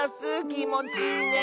きもちいいね。